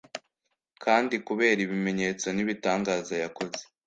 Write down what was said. kandi kubera ibimenyetso n’ibitangaza yakoze,